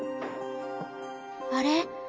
あれ？